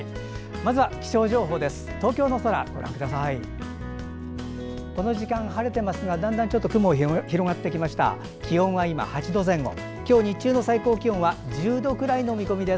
まずは気象情報です。